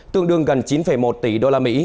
tương đương gần chín một tỷ usd